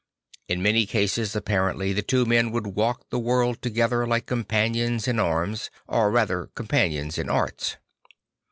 In many cases apparently the two men would walk the world together like companions in arms, or rather companions in arts.